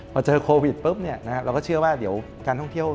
พอเจอโควิดปุ๊บเราก็เชื่อว่าเดี๋ยวการท่องเที่ยว